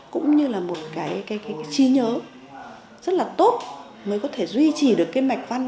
cũng như là một cái trí nhớ rất là tốt mới có thể duy trì được cái mạch văn